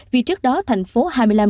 vì trước đó thành phố hà nội đã bị tích trữ